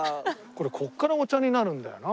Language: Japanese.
これここからお茶になるんだよな。